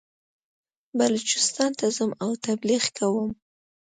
بلوچستان ته ځم او تبلیغ کوم.